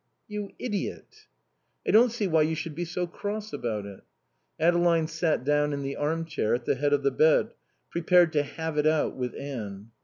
"You idiot." "I don't see why you should be so cross about it." Adeline sat down in the armchair at the head of the bed, prepared to "have it out" with Anne.